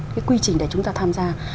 cái quy trình để chúng ta tham gia